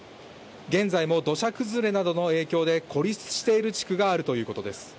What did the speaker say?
現在も、土砂崩れなどの影響で孤立している地区があるということです。